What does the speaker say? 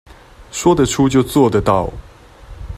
說得出就做得到